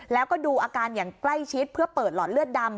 แล้วก็ดูอาการอย่างใกล้ชิดเพื่อเปิดหลอดเลือดดำ